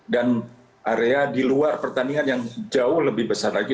dan area di luar pertandingan yang jauh lebih besar lagi